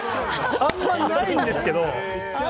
あんまりないんですけど。